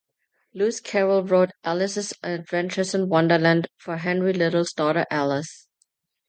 Lewis Carroll wrote "Alice's Adventures in Wonderland" for Henry Liddell's daughter Alice.